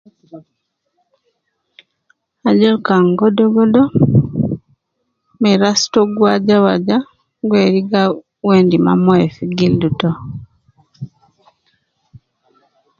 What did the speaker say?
Ajol kan godogodo, me ras to gi wajawaja gi weri gal uwo endi mma moyo fi gildu to.